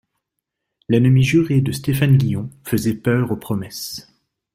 L'ennemi juré de Stéphane Guillon faisait peur aux promesses.